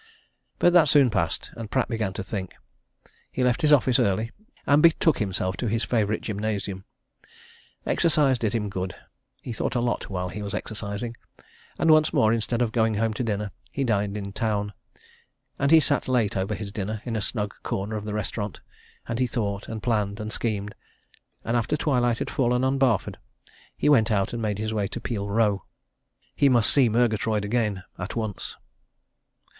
But that soon passed, and Pratt began to think. He left his office early, and betook himself to his favourite gymnasium. Exercise did him good he thought a lot while he was exercising. And once more, instead of going home to dinner, he dined in town, and he sat late over his dinner in a snug corner of the restaurant, and he thought and planned and schemed and after twilight had fallen on Barford, he went out and made his way to Peel Row. He must see Murgatroyd again at once.